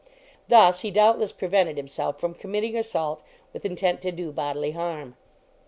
Thus he doubtless prevented himself from committing assault with intent to do bodily harm.